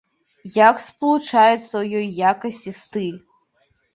Як спалучаецца ў ёй якасць і стыль?